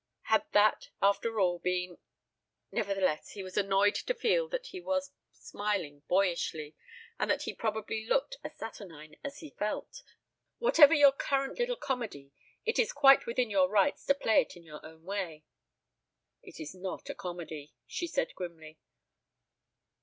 Had that, after all, been ... Nevertheless, he was annoyed to feel that he was smiling boyishly and that he probably looked as saturnine as he felt. "Whatever your little comedy, it is quite within your rights to play it in your own way." "It is not a comedy," she said grimly.